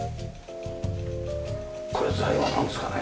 これ材はなんですかね？